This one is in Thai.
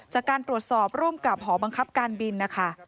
จากการตรวจสอบร่วมกับหอบังคับการบินนะคะ